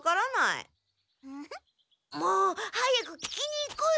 もう早く聞きに行こうよ。